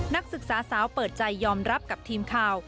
นักศึกษาสาวเปิดใจยอมรับกับทีมข่าว